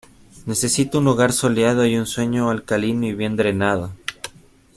Necesita un lugar soleado, y un suelo alcalino y bien drenado.